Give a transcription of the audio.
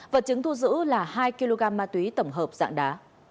vật chứng thu giữ là hai kg ma túy tổng hợp dạng đá